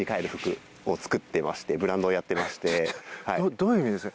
どういう意味ですか？